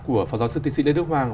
của phó giáo sư tiến sĩ lê đức hoàng